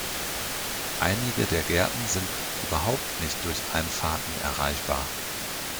Einige der Gärten sind überhaupt nicht durch Einfahrten erreichbar.